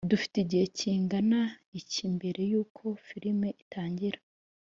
dufite igihe kingana iki mbere yuko film itangira?